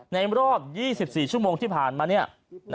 ในรอบ๒๔ชั่วโมงที่ผ่านมา